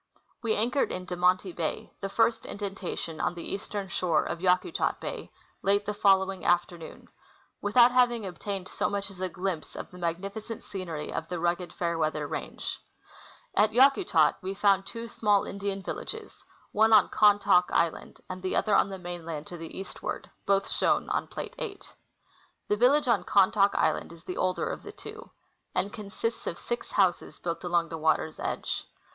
We anchored in De Monti bay, the first indentation on the eastern shore of Yakutat bay, late the following afternoon, without having obtained so much as a glimpse of the magnifi cent scenery of the rugged Fairweather range. At Yakutat we found two small Indian villages, one on Khan taak island and the other on the mainland to the eastward (both shown on plate 8). The village on Khantaak island is the older of the two, and consists of six houses built along the water's edge.